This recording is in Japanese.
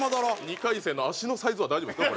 ２回戦の足のサイズは大丈夫ですか？